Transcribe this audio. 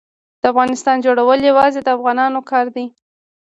د افغانستان جوړول یوازې د افغانانو کار دی.